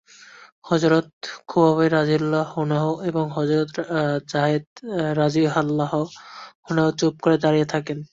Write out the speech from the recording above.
হযরত খুবাইব রাযিয়াল্লাহু আনহু এবং হযরত যায়েদ রাযিয়াল্লাহু আনহু চুপ করে দাঁড়িয়ে থাকেন।